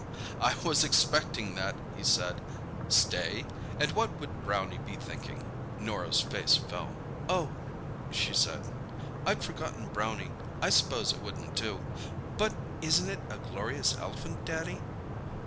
"I was expecting that," he said. "Stay? And what would Brownie be thinking?" Norah's face fell. "Oh," she said. "I'd forgotten Brownie. I s'pose it wouldn't do. But isn't it a glorious elephant, Daddy?"